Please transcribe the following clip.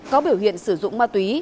có biểu hiện sử dụng ma túy